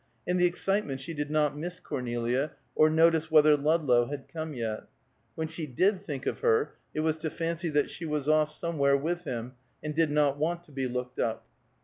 In the excitement she did not miss Cornelia, or notice whether Ludlow had come yet. When she did think of her it was to fancy that she was off somewhere with him, and did not want to be looked up.